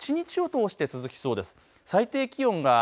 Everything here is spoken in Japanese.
一日を通して続きそうです。